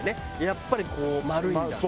やっぱりこう丸いんだとか。